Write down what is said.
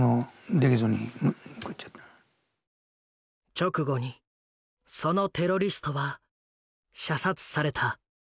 直後にそのテロリストは射殺された。